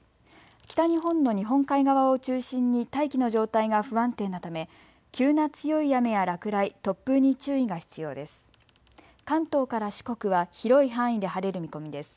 北日本の日本海側を中心に大気の状態が不安定なため、急な強い雨や落雷、突風に注意が必要です。